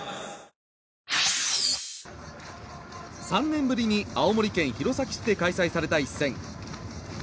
３年ぶりに青森県弘前市で開催された一戦。